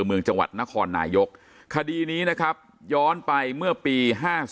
เมืองจังหวัดนครนายกคดีนี้นะครับย้อนไปเมื่อปี๕๔